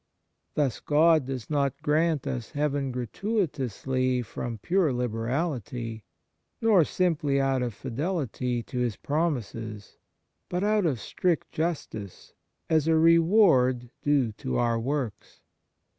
Thus, God does not grant us heaven gratuitously from pure liberality, nor simply out of fidelity to His promises, but out of strict justice, as a reward due to our works.